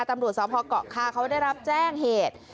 ตำรวจสพเกาะคาเขาได้รับแจ้งเหตุ